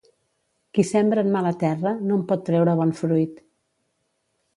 Qui sembra en mala terra no en pot treure bon fruit.